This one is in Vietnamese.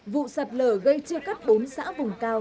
vụ sạt lở gây chia cắt bốn xã vùng cao